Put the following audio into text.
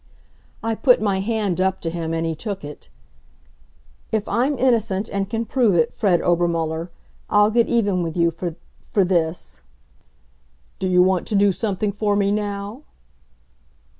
I put my hand up to him and he took it. "If I'm innocent and can prove it, Fred Obermuller, I'll get even with you for for this." "Do you want to do something for me now?"